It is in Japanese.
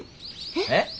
えっ。